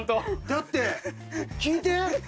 だって聞いて。